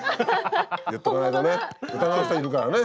言っとかないとね疑う人いるからね。